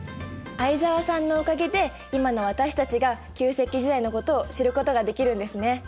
相沢さんのおかげで今の私たちが旧石器時代のことを知ることができるんですね。